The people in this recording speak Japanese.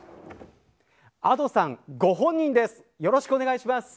Ａｄｏさんご本人です。